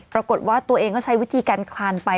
ปรากฏว่าตัวเองก็ใช้วิธีการคลานไป